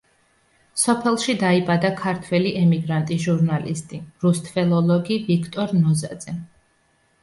სოფელში დაიბადა ქართველი ემიგრანტი ჟურნალისტი, რუსთველოლოგი ვიქტორ ნოზაძე.